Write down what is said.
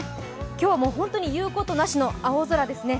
今日本当に言うことなしの青空ですね。